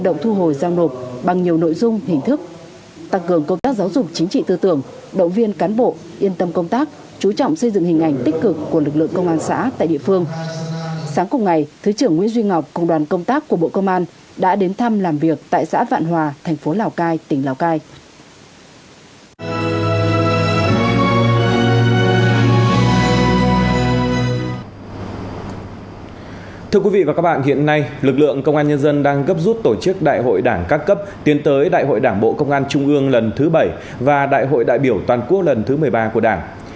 đảng ủy ban giám đốc công an tỉnh bạc liêu tiếp tục phát huy kết quả đạt được bám sát yêu cầu nhiệm vụ đại hội đảng các cấp tiến tới đại hội đảng bộ công an trung ương lần thứ bảy và đại hội đại biểu toàn quốc lần thứ một mươi ba của đảng